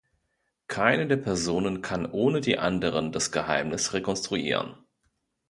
Keine der Personen kann ohne die anderen das Geheimnis rekonstruieren.